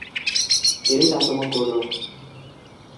Eric আক্রমণ করলো।